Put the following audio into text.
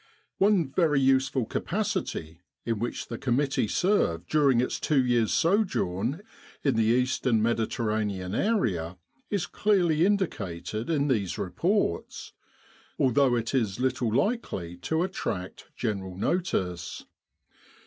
One very useful capacity in which the committee served during its two years' sojourn in the Eastern Mediterranean area is clearly indicated in these re ports, although it is little likely to attract general notice.